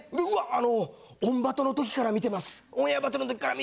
あの『オンバト』の時から観てます」。